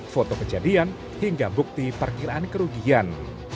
foto kejadian hingga bukti perkiraan kerugian